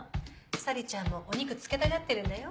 Ｓａｌｉちゃんもお肉付けたがってるんだよ。